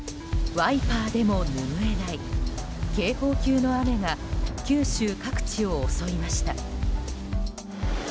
ワイパーでもぬぐえない警報級の雨が九州各地を襲いました。